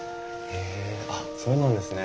あっそうなんですね。